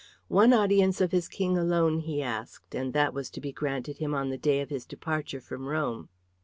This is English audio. One audience of his King alone he asked, and that was to be granted him on the day of his departure from Rome.